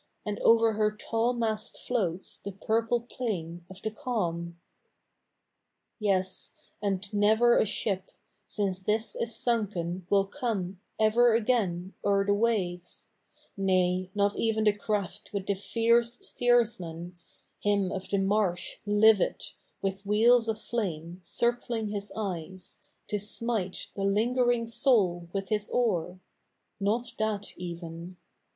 And over her tall mast floats The purple plain of the calm," ' Yes — a}id tiever a ship, Since this is sunken, will come Ever again o'er the waves — Nay, not even the craft with the fierce Steersman, hi??i of the inarsh Livid, with wheels of flame Circling his eyes, to smite The lingering soul with his oar. — Not that even.